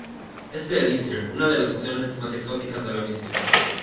Este elixir, una de las pociones más exóticas de la mística.